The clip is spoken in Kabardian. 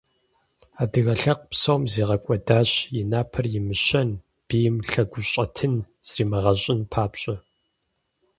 Адыгэ лъэпкъ псом зигъэкӀуэдащ и напэр имыщэн, бийм лъэгущӀэтын зримыгъэщӀын папщӀэ.